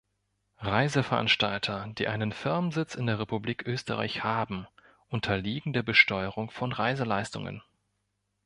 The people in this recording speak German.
Reiseveranstalter, die einen Firmensitz in der Republik Österreich haben, unterliegen der "Besteuerung von Reiseleistungen".